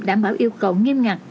đảm bảo yêu cầu nghiêm ngặt